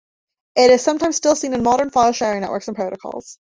It is sometimes still seen in modern file sharing networks and protocols.